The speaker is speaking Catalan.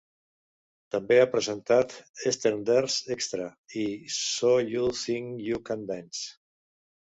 També ha presentat 'Eastenders Xtra' i 'So You Think You Can Dance'.